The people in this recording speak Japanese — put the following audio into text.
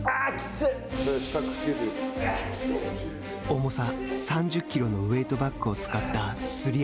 重さ３０キロのウエイトバッグを使ったすり足。